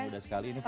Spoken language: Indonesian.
mudah sekali ini